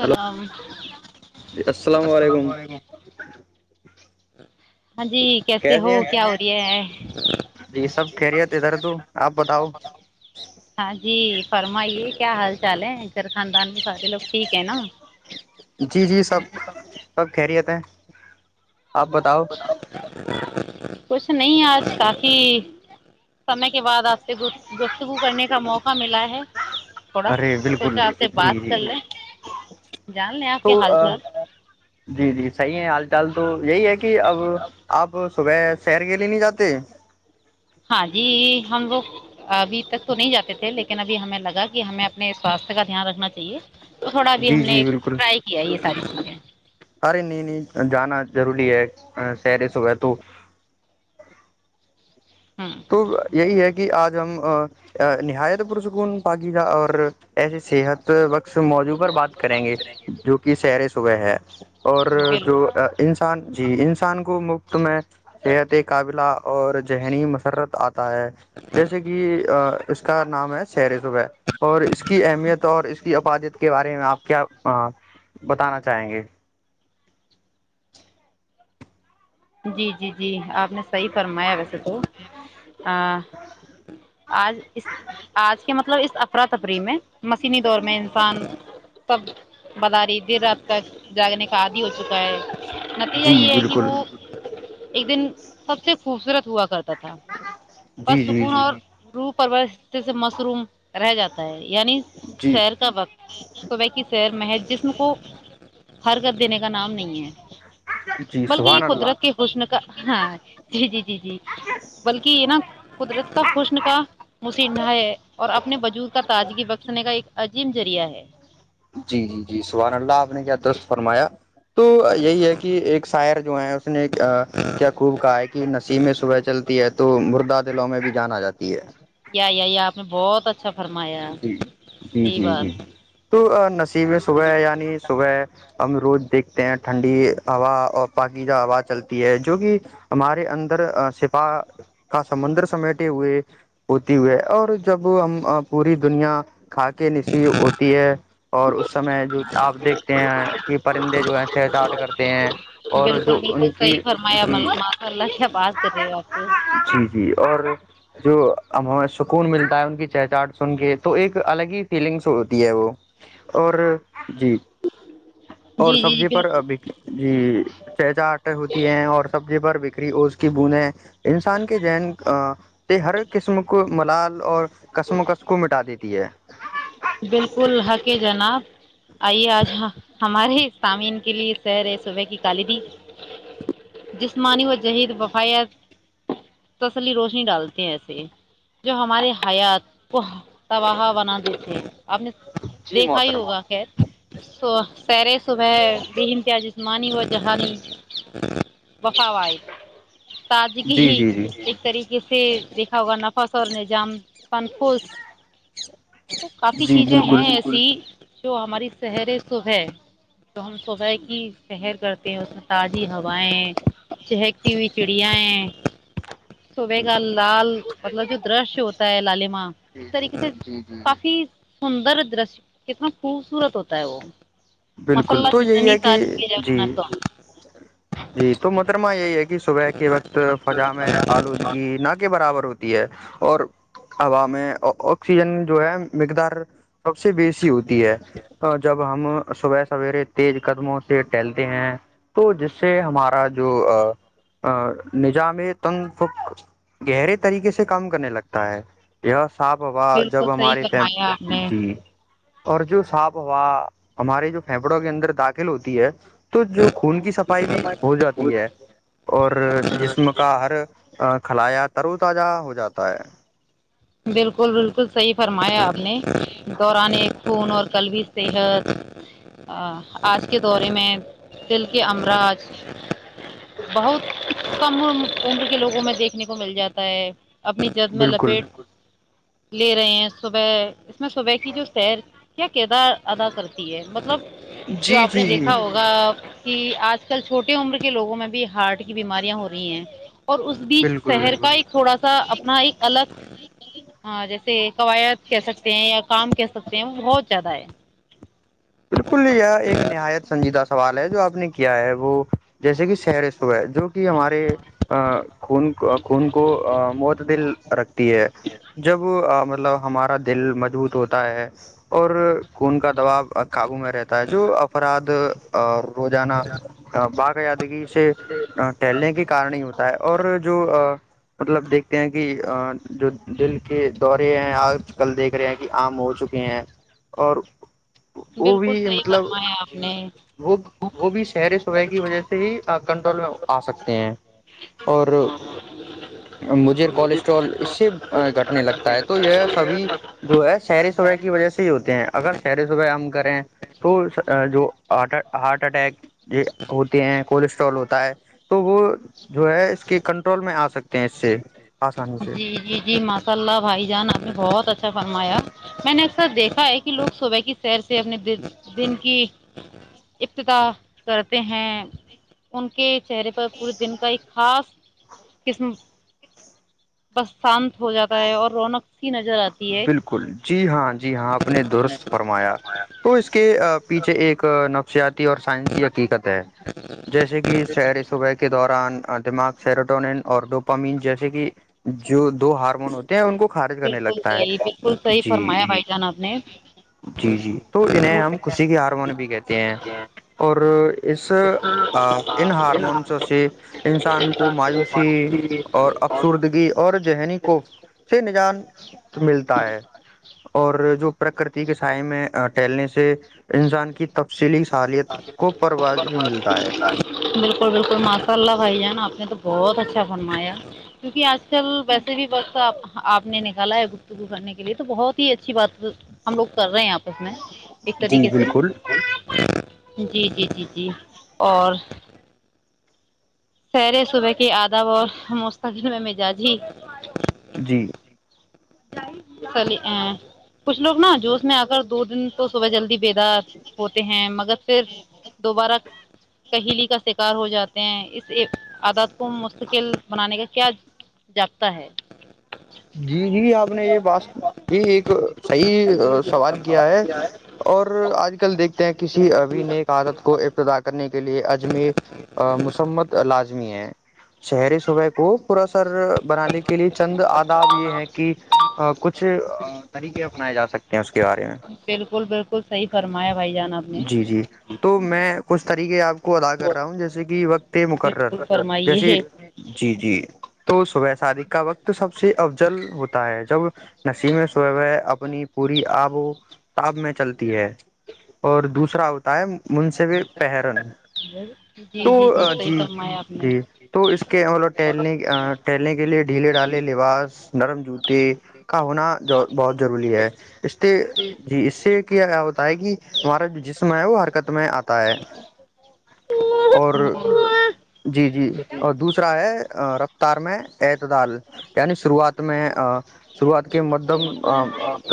hello جی السلام علیکم ہاں جی کیسے ہو کیا ہو رہی ہے ہے جی سب خیریت ادھر تو آپ بتاؤ ہاں جی فرمائیے کیا حال چال ہے سیر خاندان بھی سارے لوگ ٹھیک ہے نا جی ہ آ ب کچھ نہیں آج کافی سمے کے بعد آپ سے گفتگو کرنے کا موقع ملا ہے تھوڑا ارے بالکل سوچا آپ سے بات جی کر جی لیں جان لیں آپ تو کے حال چال جی جی صحیح ہے حال چال تو یہی ہے کہ اب آپ صب شہر گیلی نہیں جاتی ہاں جی ہم لگ ابھی تک تو نہیں جاتے تھے لیکن ابھی ہمیں لگا کہ ہمیں اپنے سواستھ کا دھیان رکھنا چاہیے تو تھوڑا ابھی ہم جی نے جی بالکل فٹرائی کیا یہ تاریخ ہے ارے نہیں نہیں جانا ضروری ہے سرے صبح تو ہوں تو یہی ہے کہ کہ آج ہم نہایت پرسکون پااکی جا اور ایسے صحت وقت موجوب پر بات کریں گے جو کہ سیر صبح ہے اور جو بالکل انسان جی انسان کو مفت ت میں یہتی قابلاہ اور ذہنی م رت آتا ہے جیسے کہ اس کا نام ہے سیر صبح اور اس کی اہمیت اور اس کی اپادیت کے بارے میں آپ کیا بتانا چاہیں گے جی جی جی جی آپ نے صحیح فرمایا ویسے تو آج اس آج کے مطلب اس افراتفری میں مشینی دور میں انسان سب [unintelligible] جی بالکل [inaudible] جی جی جی [inaudible] [inaudible] جی ہرک دینے کا نام نہیں ہے جی بلکہ یہ سبحان اللہ قدرت خشن کا ہاں جی جی جی جی بلکہ یہ نا قدرت کا خشن کا مصح نہ ہے اور اپنے بجود کا تاجگی بخشنے کا ایک عظیم ذریعہ ہے جی جی جی سبحان اللہ آپ نے کیا درست فرمایا تو یہی ہے کہ ایک شاعر جو ہے اس نے کیا خوب کہا ہے کہ نسیمیں صبح چلتی ہے تو مردہ دلوں میں بھی جانا جاتا ی یا آپ نے بہت اچھا فرمایا صحی بات نصیبیں صبح یعنی صبح ہم روز دیکھتے ہیں ٹھنڈی ہوا اور باقی جہ ہوا چلتی ہے جو کہ ہمارے اندر سپا کا سمندر سمیٹے ہوئے ہوتی ہوئے اور جب ہم پوری دنیا کھا کے نسییح ہوتی ہے اور اس سمے جو آپ دیکھتے ہیں کہ پرندے جو ہے چہ چاٹ کرتے ہیں اور بالکل جو بالکل ان کی صحیح فرمایا جی ماشاء اللہ کیا بات کر رہے ہو آپ کو جی جی اور جو ہم ہمیں سکون ملتا ہے ان کی چہچاہٹ سن کے تو ایک الگ ہی فیلنگس ہوتی ہے وہ اور جی جی اور جی جی سبزی پر بالکل ابھی جی چ چا آٹ ہوتی ہے اور سبزی بھر بھی بکری اوس کی بوندیں انسان کے ذہن ہر قسم کو ملال اور کشمکش کو مٹا دیتی ہے بالکل حک جناب آئیے آج ہمارے سامعین کے لیے سیر صبح کی کالی بھی جسمانی و جہید وفیات تسلی روشنی ڈالتے ہیں ایسے جو ہمارے حیات کو تباہا بنا دیتے ہیں آپ نے جی دیکھا ہی محترم ہوگا خیر سیرے صبح بے انمتیا جسمانی وہ جہاں وفا جی تازگی جی جی ایک طریقے سے دیکھا ہوگا نفس اور نظام فن خوش کافی جی چیزیں بالکل ہیں ایسی جو ہماری سحریں صبح جو ہم صبح کی سیر کرتے ہیں اس میں تازی ہوائیں چہکتی ہوئی چوڑیاں صبح کا لال مطلب جو درش ہوتا ہے لالی ایک طریقے سے کافی سندر درش کتنا خوبصورت ہوتا ہے وہ بالکل مساللہ تو یہی جتنی ہے کہ تعریف کی جائے جی اتنا کم جی تو محترمہ یہی ہے کہ صبح کے وقت فضا میں آلودگی نہ کے برابر ہوتی ہے اور ہوا میں آکسیجن جو ہے مقدار سب سے بیسی ہوتی ہے جب ہم صبح سویرے تیز قدموں سے ٹہلتے ہیں تو جس سے ہمارا جو نظام تن ف گہرے طریقے سے کام کرنے لگتا ہے صاف ہوا بالکل جب صحیح ہمارے فرمایا آپ نے اور جو صاف ہوا ہمارے جو پھیپڑوں کے اندر داخل ہوتی ہے تو جو خون کی صفائی بھی ہو جاتی ہے اور جسم کا ہر کھلایا ترو تازہ ہو جاتا ہے بالکل بالکل صحیح فرمایا آپ نے دوران ایک فون اور کل بھیی صحت [unintelligible] [unintelligible] [unintelligible] بالکل [unintelligible] لے رہے ہیں صبح میں صبح کی جو سیر کیا کردار ادا کرتی ہے مطلب جو جی آپ نے جی جی دیکھا ہوگا آج کل چھوٹے عمر کے لوگوں میں بھی ہارٹ کی بیماریاں ہو رہی ہیں اور اس بیچ بالکل شہر کا بالکل ایک تھوڑا سا اپنا ایک الگ جیسے قواعد کہہ سکتے ہیں یا کام کہہ سکتے ہیں وہ بہت زیادہ ہے بالکل ہی ہے ایک نایت سج دا سوال ہے جو آپ نے کیا ہے وہ جیسے کہ شر جو کہ ہمارے خون خون کو معتدل رکھتی ہے جب مطلب ہمارا دل مضبوط ہوتا ہے اور خون کا دباب قابو میں رہتا ہے جو افراد تو اور روزانہ باقا یادگی سے ٹہلنے کے کارن ہی ہوتا ہے اور جو مطلب دیکھتے ہیں کہ جو دل کے دورے ہیں آج کل دیکھ رہے ہیں کہ عام ہو چکے ہیں اور وہ بالکل بھی صحیح مطلب فرمایا آپ نے وہ وہ بھی شہر صبح کی وجہ سے ہی کنٹرول میں آ سکتے ہیں اور مجھے کولیسٹرول اس سے گھٹنے لگتا ہے تو یہ سبھی جو ہے شہر صبح کی وجہ سے ہی ہوتے ہیں اگر شہر صبح ہم کریں تو جو ہارٹ اٹیک یہ ہوتے ہیں کولسٹرول ہوتے ہے تو وہ جو ہے اس کی کنٹرول میں آ سکتی [unintelligible] [unintelligible] چہرے پر پورے دن کا ایک خاص [unintelligible] [unintelligible] آتی ہے بالکل جی ہاں جی ہاں آپ نے درست فرمایا تو اس کے پیچھے ایک نفسیاتی اور سائنسی حقیقت ہے جیسے کہ سر صوبہ کے دوران دماغ سیروٹونین اور ڈپامین جیسے کہ جو دو ہارمون ہوتے ہیں ان کو خارج کرنے بالکل لگے صحیح بالکل صحیح جی فرمایا بھائی جان آپ نے جی جی تو انہیں ہم خوشی کے ہارمون بھی کہتے ہیں اور اس ان ہارمونس سے انسان کو مایوسی اور افسردگی اور ذہنی کو سے نجات ا ملتا ہے اور جو پرکرتی کے سائے میں ٹہلنے سے انسان کی تفصیلی صالحیت کو پرواز بھی ملتا ہے بالکل بالکل ماشاء اللہ بھائی ج نا اپپنے تو بہت اچھا فرمایا کیونکہج چل ویسے بھی بس آپ آپ نے نکالا ہے گفتگو کرنے کے لیے تو بہت ہی اچھی بات ہم لوگ کر رہے ہیں آپ اس میں ایک جی طریقے سے بالکل جی جی جی جی اور سیر صبح کی آداب اور مستقبل میں مزاج ہی جی چلی ا کچھ لوگ نا جوش میں آ کر دو دن تو صبح جلدی بیدا ہوتے ہیں مگر پھر دوبارہ کہیلی کا شکار ہو جاتے ہیں اس عادات کو مستقل بنانے کا کیا جابطہ ہے جی جی آپ نے یہ بات یہ ایک صحیح سوال کیا ہے اور آج کل دیکھتے ہیں کسی ابھی نئے آادت کو ابتدا کرنے کے لیے اجمیر مسمت لازمی ہے شہری صوبح کو پورا سر بنانے کے لیے چل ب یہ ہے کہ کچھ طریقے اپناائے جا سکتے ہیں اس کے بارے میں بالکل بالکل صحیح فرمایا بھائی جان آپ نے جی جی تو میں کچھ طریقے آپ کو ادا کر رہا ہوں جیسے کہ وقت مقرر بالکل جیسے فرمائیے جی جی تو صبح شادی کا وقت سب سے افضل ہوتا ہے جب نسیمیں سب اپنی پوری آب و تاب میں چلتی ہے اور دوسرا ہوتا ہے من سےف پرن جی تو جی صحیح جی فرمایا آپ نے جی تو اس کے مطلب ٹہلنے ٹہلنے کے لیے ڈھیلے ڈالے نرم جوتے کا ہونا بہت ضروری ہے اس جی اس سے ہوتا ہے کہ ہمارا جو جسم ہے وہ حرکت میں آتا ہے اور جی جی اور دوسرا ہے رفتار میں اعت دال کیانی شروات میں شروعات کے مدم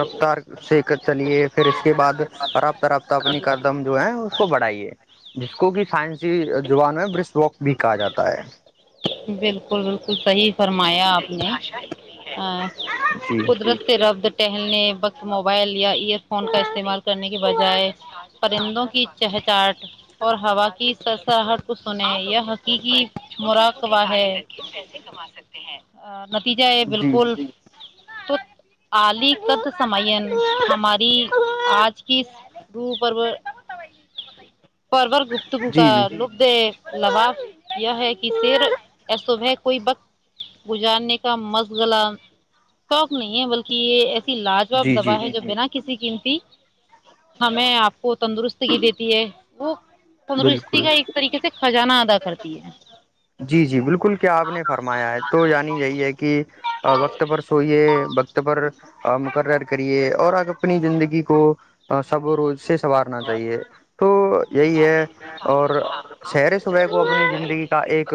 رفتار سے چلیے پھر اس کے بعد رابطہ رابطہ اپنی کادم جو ہے اس کو بڑھائیے جس کو کہ سائنسی زبان میں برس واک بھی کہا جاتا ہے بالکل بالکل صحیح فرمایا آپ [unintelligible] ہاں جی کودنستھر ابدٹے [unintelligible] [unintelligible] [unintelligible] [unintelligible] [unintelligible] جی [unintelligible] تو آلی کد سمائی ن ہمماری آج کی ر پرو پررور گپتگ کا جی جی لب دے لباب یہ ہے کہ سیر صب ہے کوئی وقت گزارنے کا مز گلا شوق نہیں ہے بلکہ یہ ایسے لاجواب جی دوا جی ہے جو بنا کسی قیمتی ہمیں آپ کو تندرستگ دیتی ہے وہ تندرستی بالکل کا ایک طریقے سے خزانہ ادا کرتی ہے جی جی بالکل کیا آپ نے فرمایا ہے تو یعنی یہی ہے کہ وقت پر سوئیے وقت پر اور مکر کریے اور آ اپنی زندگی کو سب روز سے سنوارنا چاہیے تو یہی ہے اور شر صبح کو اپنی زندگی کا ایک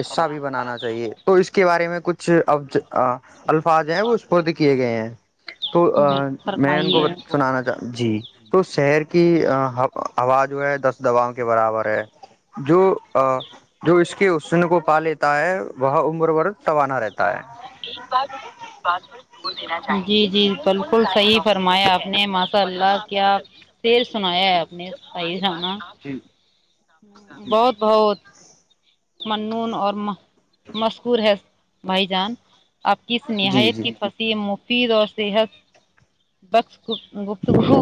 حصہ بھی بنانا چاہیے تو اس کے بارے میں کچھ اب فج ہیں وہ اسپرد کیے گئے ہیں تو بالکل میں ان فرمائیے کو سنانا چاہ جی تو شہر کے کہ آواز جو ہے دس دواؤں کے برابر ہے جو جو اس کے اسن کو پا لیتا ہے وہ عمر ورد توانا رہتا ہے جی جی بالکل صحیح فرمایا آپ نے ماشاء اللہ کیا سیر سنایا ہے آپ نےز انا جی جی بہت بہت وود منون اور مذکور ہے بھائی جان آپ کی جی نہایت جی کی پھنسی مت پیر اور صحت بخص گپتگو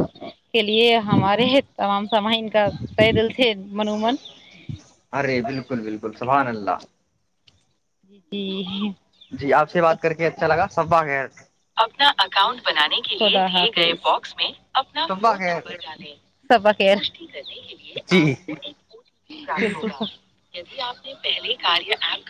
کے لیے ہمارے تمام سماہین کا طے دل تھ منومن ارے بالکل بالکل سبحان اللہ جی جی جی آپ سے بات کر کے اچھا لگا سبا گ باکس میں اپنا صبا فون خیر نمبر جانے سباق کرنے کے لیے جی آپ بکل ی آپ نے پہلے کار